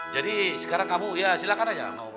jadi sekarang kamu ya silakan aja